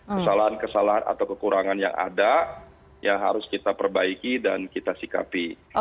kesalahan kesalahan atau kekurangan yang ada ya harus kita perbaiki dan kita sikapi